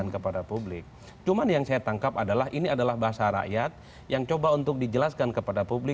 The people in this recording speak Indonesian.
ketakutan sekarang ini